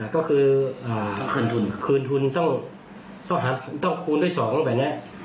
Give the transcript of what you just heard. ก็คือคืนทุนคืนทุนต้องคูณด้วย๒แบบนี้